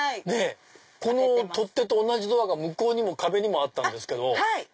この取っ手と同じドアが向こうの壁にもあったんですけど。